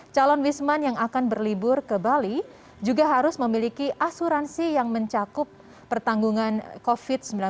calon wisman yang akan berlibur ke bali juga harus memiliki asuransi yang mencakup pertanggungan covid sembilan belas